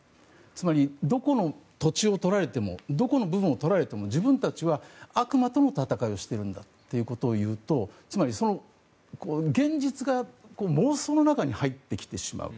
つまり、どこの土地を取られてもどこの部分をとられても自分たちは悪魔との戦いをしているんだと言うとつまり、現実が妄想の中に入ってきてしまう。